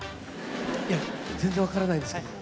いや全然分からないですけども。